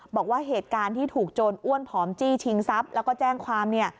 บอกว่าเหตุการณ์ที่ถูกโจรอ้วนผอมจี้ชิงทรัพย์แล้วก็แจ้งความเนี่ย